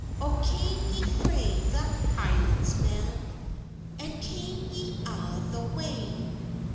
"O cam ye frae the Hielans, man? And cam ye a' the wey?